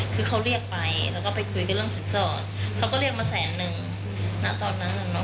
คือเขาเรียกไปแล้วก็ไปคุยกันเรื่องสินสอดเขาก็เรียกมาแสนนึงณตอนนั้น